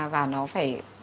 và nó phải